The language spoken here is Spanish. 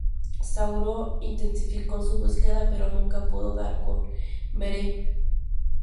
Sauron intensificó su búsqueda, pero nunca pudo dar con Beren.